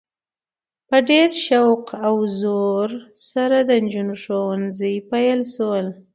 په ډیر شوق او زور سره د نجونو ښونځي پیل شول؛